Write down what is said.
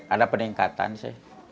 ada peningkatan sih